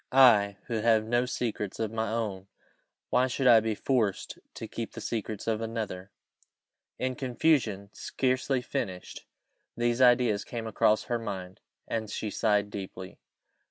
I, who have no secrets of my own why should I be forced to keep the secrets of another?" In confusion, scarcely finished, these ideas came across her mind, and she sighed deeply.